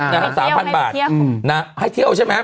๓๐๐บาทให้เที่ยวใช่ไหม